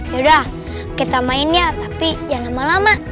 yaudah kita main ya tapi jangan lama lama